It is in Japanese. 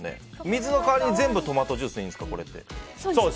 水の代わり全部トマトジュースですか？